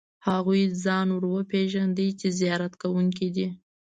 هغوی ځان ور وپېژاند چې زیارت کوونکي دي.